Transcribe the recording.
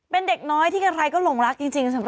เป็นเด็กน้อยที่ใครก็หลงรักจริง